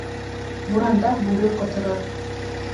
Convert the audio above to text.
Буранда бүре ҡоторор